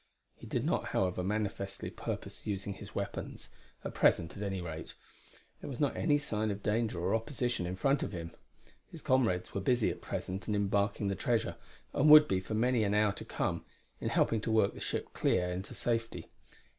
He did not, however, manifestly purpose using his weapons at present at any rate; there was not any sign of danger or opposition in front of him. His comrades were busy at present in embarking the treasure, and would be for many an hour to come, in helping to work the ship clear into safety.